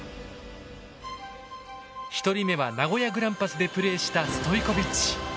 １人目は名古屋グランパスでプレーしたストイコビッチ。